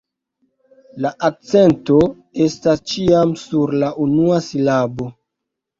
La akcento estas ĉiam sur la unua silabo.